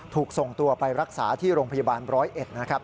ถูกส่งตัวไปรักษาที่โรงพยาบาลร้อยเอ็ดนะครับ